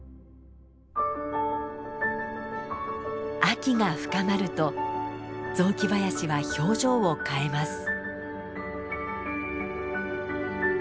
秋が深まると雑木林は表情を変えます。